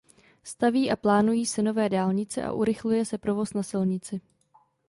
Staví a plánují se nové dálnice a urychluje se provoz na silnici.